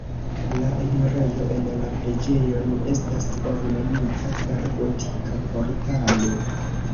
La enirejo en la preĝejon estas ornamita per gotika portalo.